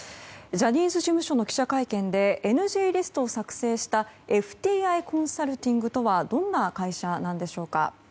ジャニーズ事務所の記者会見でＮＧリストを作成したＦＴＩコンサルティングとはどんな会社なんでしょうか。